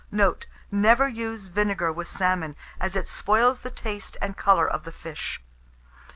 Note. Never use vinegar with salmon, as it spoils the taste and colour of the fish.